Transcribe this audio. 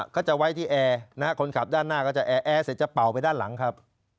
ก็จะไว้ที่แอร์นะฮะคนขับด้านหน้าก็จะแอร์เสร็จจะเป่าไปด้านหลังครับ